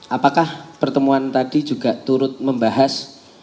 apakah pertemuan tadi juga turut membahas